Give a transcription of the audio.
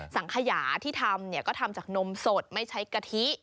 สังขยาที่ทำก็ทำจากนมสดไม่ใช้กะทิ